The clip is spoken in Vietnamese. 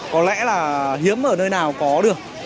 có lẽ là hiếm ở nơi nào có được